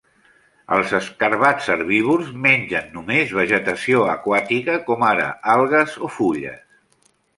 Els escarabats herbívors mengen només vegetació aquàtica, com ara algues o fulles.